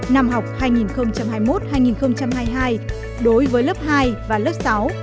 năm học hai nghìn hai mươi một hai nghìn hai mươi hai đối với lớp hai và lớp sáu